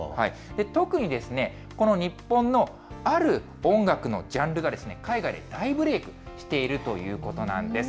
特に、この日本の、ある音楽のジャンルがですね、海外で大ブレークしているということなんです。